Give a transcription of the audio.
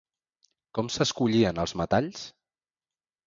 Com s'escollien els metalls?